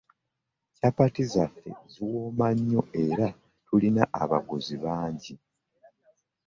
Kyapati zaffe ziwooma nnyo era tulina abaguzi bangi.